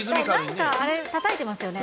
なんかあれ、たたいてますよね。